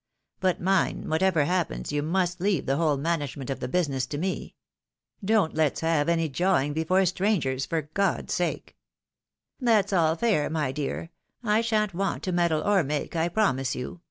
But mind, whatever happens, you must leave the whole management of the business to me. Don't let's have any jawing before strangers, for God's EIVAL THEMES. 239 " That's all fair, my dear ; I shan't want to meddle or make, I promise you.